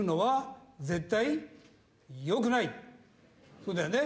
そうだよね？